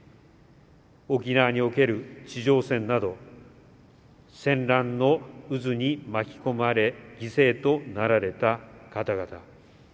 沖縄における地上戦など戦乱の渦に巻き込まれ犠牲となられた方々。